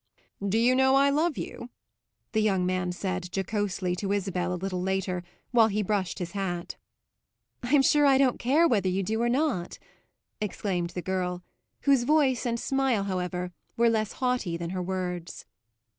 "Do you know I love you?" the young man said, jocosely, to Isabel a little later, while he brushed his hat. "I'm sure I don't care whether you do or not!" exclaimed the girl; whose voice and smile, however, were less haughty than her words.